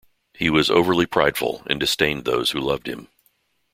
He was overly prideful, and disdained those who loved him.